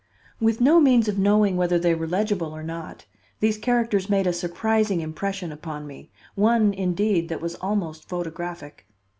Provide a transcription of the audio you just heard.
With no means of knowing whether they were legible or not, these characters made a surprising impression upon me, one, indeed, that was almost photographic.